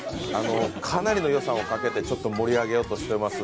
かなりの予算をかけて盛り上げようとしています。